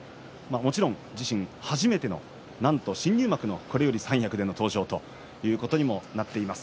もちろん自身初めての新入幕でのこれより三役での登場となっています。